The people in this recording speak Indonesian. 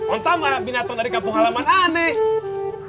om tau gak binatang dari kampung halaman aneh